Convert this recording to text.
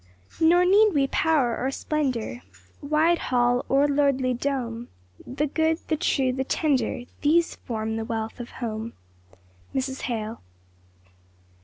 "Nor need we power or splendor, Wide hall or lordly dome; The good, the true, the tender, These form the wealth of home." MRS. HALE.